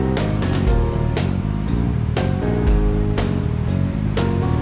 saya akan membuat kue kaya ini dengan kain dan kain